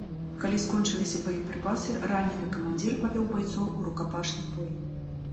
Калі скончыліся боепрыпасы, ранены камандзір павёў байцоў у рукапашны бой.